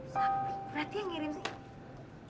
berarti yang ngirim sih